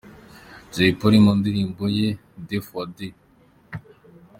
Jay Polly mu ndirimbo ye Deux fois Deux.